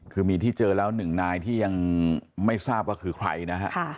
คือมีที่เจอแล้วหนึ่งนายที่ยังไม่ทราบว่าคือใครนะฮะ